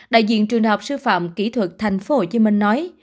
đại diện trường đọc sư phạm kỹ thuật thành phố hồ chí minh nói